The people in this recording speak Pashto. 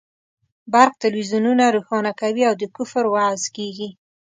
برق تلویزیونونه روښانه کوي او د کفر وعظ کېږي.